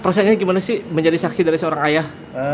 perasaannya gimana sih menjadi saksi dari seorang ayah